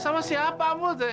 sama siapa amu